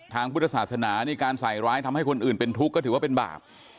ทางพุทธศาสนานี่การใส่ร้ายทำให้คนอื่นเป็นทุกข์ก็ถือว่าเป็นบาป